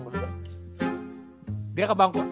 wah gila nih orang